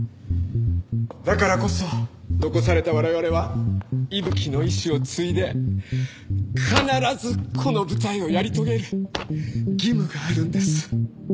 だからこそ残された我々は伊吹の遺志を継いで必ずこの舞台をやり遂げる義務があるんです。